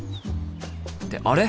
ってあれ！？